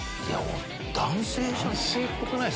男性じゃない？